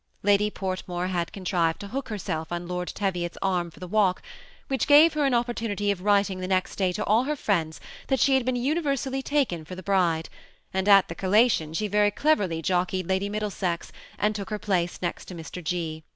Lady Portmore had contrived to hook herself on to Lord Teviot's arm for the walk, which gave her an opportunity of writing the 196 THE SEBU ATTACHED COUPLE. next daj to all her friends that she had been universally taken for the bride ; and at the collation she verjr dey erlj jockeyed Lady Middlesex, and took her place next to Mr. 6.